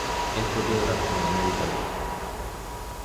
Es propio de la gastronomía de Italia.